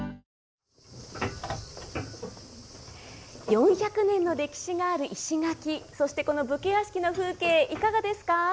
４００年の歴史がある石垣、そしてこの武家屋敷の風景いかがですか？